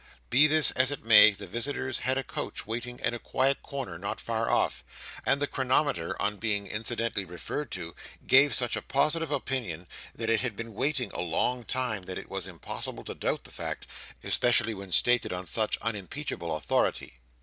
Be this as it may, the visitors had a coach in waiting at a quiet corner not far off; and the chronometer, on being incidentally referred to, gave such a positive opinion that it had been waiting a long time, that it was impossible to doubt the fact, especially when stated on such unimpeachable authority.